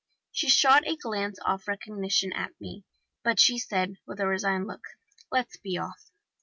She shot a glance of recognition at me, but she said, with a resigned look: 'Let's be off.